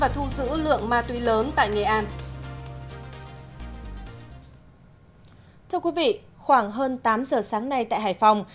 thưa quý vị khoảng hơn tám giờ sáng nay tại hải phòng